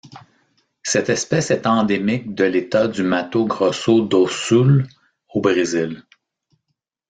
Cette espèce est endémique de l'État du Mato Grosso do Sul au Brésil.